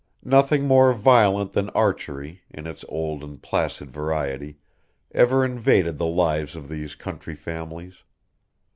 Nothing more violent than archery, in its old and placid variety, ever invaded the lives of these county families.